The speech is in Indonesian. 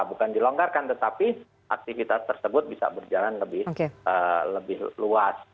bukan dilonggarkan tetapi aktivitas tersebut bisa berjalan lebih luas